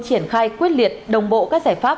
triển khai quyết liệt đồng bộ các giải pháp